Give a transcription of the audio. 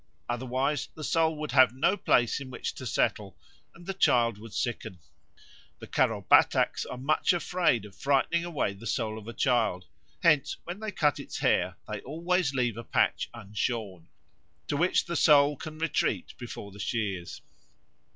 Otherwise the soul would have no place in which to settle, and the child would sicken. The Karo Bataks are much afraid of frightening away the soul of a child; hence when they cut its hair, they always leave a patch unshorn, to which the soul can retreat before the shears.